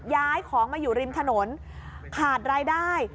ย้ายของมาอยู่ริมถนนขาดรายได้